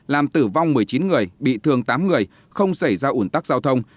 làm tử vong một mươi chín người bị thương tám người không xảy ra ủn tắc giao thông